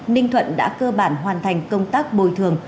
ninh thuận đã cơ bản hoàn thành công tác bồi thường